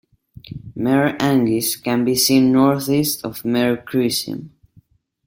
Mare Anguis can be seen northeast of Mare Crisium.